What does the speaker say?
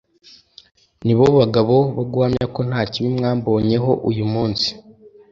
ni bo bagabo bo guhamya ko nta kibi mwambonyeho uyu munsi